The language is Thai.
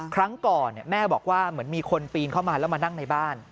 ครั้งก่อนแม่บอกว่าเหมือนมีคนปีนเข้ามาแล้วมานั่งในบ้าน